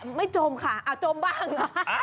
อันนี้คือมวยทะเลถูกต้องแล้วนะครับ